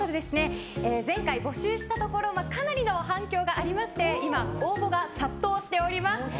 前回募集したところかなりの反響がありまして今、応募が殺到しております。